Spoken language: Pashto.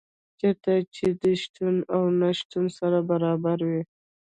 چېرته چي دي شتون او نه شتون سره برابر وي